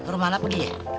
rumah lu apa dia